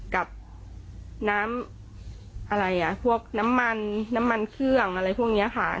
กับน้ำอะไรอ่ะพวกน้ำมันน้ำมันเครื่องอะไรพวกนี้ค่ะ